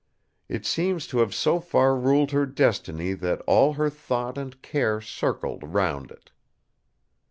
It seems to have so far ruled her destiny that all her thought and care circled round it.